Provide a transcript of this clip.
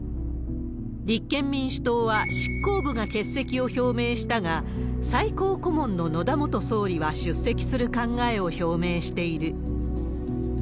立憲民主党は執行部が欠席を表明したが、最高顧問の野田元総理は出席する考えを表明している。